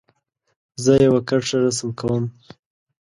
زه یو کرښه رسم کوم.